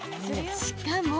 しかも。